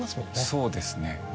そうですね。